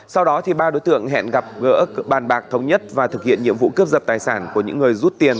sau đó ba đối tượng hẹn gặp gỡ bàn bạc thống nhất và thực hiện nhiệm vụ cướp giật tài sản của những người rút tiền